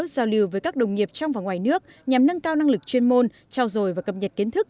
giao lưu với các đồng nghiệp trong và ngoài nước nhằm nâng cao năng lực chuyên môn trao dồi và cập nhật kiến thức